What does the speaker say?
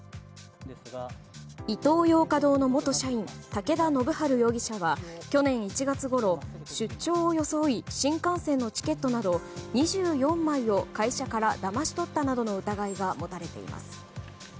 イトーヨーカ堂の元社員武田信晴容疑者は去年１月ごろ、出張を装い新幹線のチケットなど２４枚を会社からだまし取ったなどの疑いが持たれています。